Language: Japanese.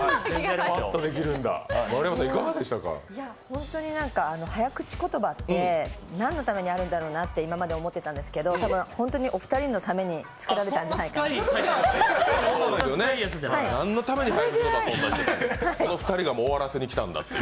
本当になんか、早口言葉って何のためにあるんだろうなって思ってたんですけど、多分、本当にお二人のために作られたんじゃないかなと。